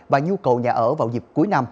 và nhu cầu nhà ở vào dịp cuối